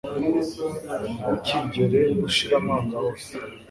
ntukigere ushira amanga hose